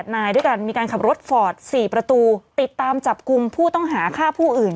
นายด้วยกันมีการขับรถฟอร์ด๔ประตูติดตามจับกลุ่มผู้ต้องหาฆ่าผู้อื่น